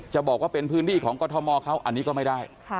บอกว่าเป็นพื้นที่ของกรทมเขาอันนี้ก็ไม่ได้